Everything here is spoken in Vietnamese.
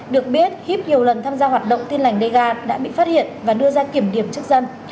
được biết hip nhiều lần tham gia hoạt động tin lành dega đã bị phát hiện và đưa ra kiểm điểm trước dân